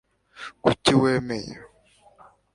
kuki wemeye